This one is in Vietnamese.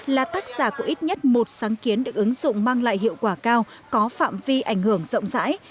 là tác giả của ít nhất một sáng kiến được ứng dụng mang lại hiệu quả cao có phạm vi ảnh hưởng rộng rãi